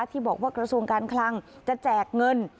ที่บอกว่ากระทรวงการคลังจะแจกเงิน